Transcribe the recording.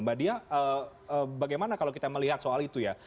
mbak dia bagaimana kalau kita melihat soal itu ya